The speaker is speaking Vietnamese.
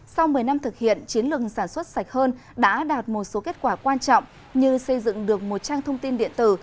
sau một mươi năm thực hiện chiến lược sản xuất sạch hơn đã đạt một số kết quả quan trọng như xây dựng được một trang thông tin điện tử